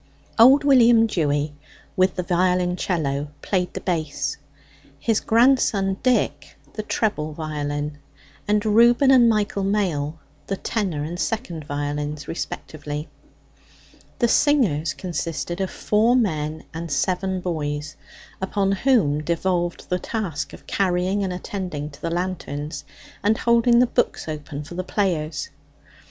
Old William Dewy, with the violoncello, played the bass; his grandson Dick the treble violin; and Reuben and Michael Mail the tenor and second violins respectively. The singers consisted of four men and seven boys, upon whom devolved the task of carrying and attending to the lanterns, and holding the books open for the players.